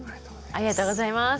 ありがとうございます。